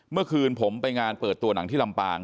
เมื่อคืนผมไปงานเปิดตัวหนังที่ลำปาง